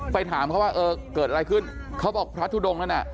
ไปถามเขาว่าเกิดอะไรขึ้นเขาบอกพระทุดงนั้น